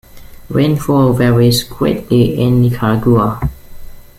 Rainfall varies greatly in Nicaragua.